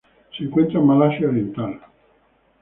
Se encuentra en Malasia Oriental.